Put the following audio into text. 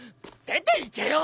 出ていけよ！